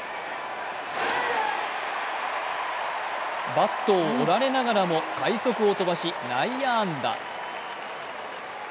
バットを折られながらも快足を飛ばし内野安打。